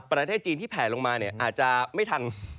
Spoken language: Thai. ประเทศจีนที่แผลลงมาเนี่ยอาจจะไม่ทัน